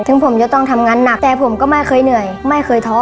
ถึงผมจะต้องทำงานหนักแต่ผมก็ไม่เคยเหนื่อยไม่เคยท้อ